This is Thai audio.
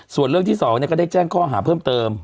ส่วนเรื่องที่๒ก็ได้แจ้งข้อหาเพิ่มเติม